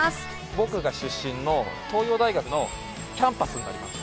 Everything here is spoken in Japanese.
僕が出身の東洋大学のキャンパスになります。